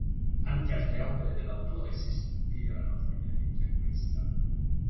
Anche altre opere dell'autore si ispirano fortemente a questa.